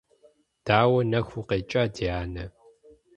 Дауэ нэху укъекӀа, ди анэ?